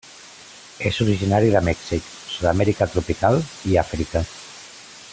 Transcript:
És originari de Mèxic, Sud-amèrica tropical i Àfrica.